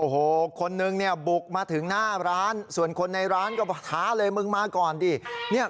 โอ้โหคนนึงเนี่ยบุกมาถึงหน้าร้านส่วนคนในร้านก็ท้าเลยมึงมาก่อนดิเนี่ย